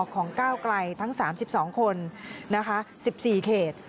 ของ๓๒คนเก้าไกล๑๓โคม